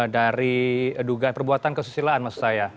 dari dugaan perbuatan kesusilaan maksud saya